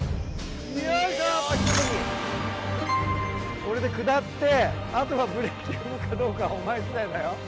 これで下ってあとはブレーキ踏むかどうかはお前次第だよ。